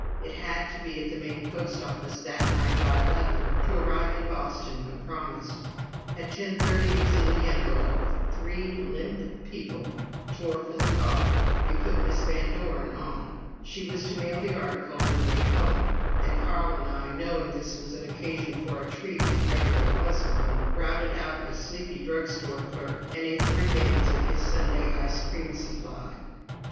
It had to be at the main post office that night by eleven, to arrive in Boston when promised. At ten thirty it was in the envelope, three limp people tore for the car, we put Miss Van Doren on, she was to mail the article on her way home, and Carl and I, knowing this was an occasion for a treat if ever there was one, routed out a sleepy drug store clerk and ate the remains of his Sunday ice cream supply.